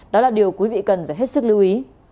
đó là điều quý vị cần phải hết sức lưu ý